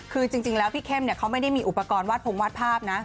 คือจริงแล้วพี่เข้มเขาไม่ได้มีอุปกรณ์วาดพงวาดภาพนะ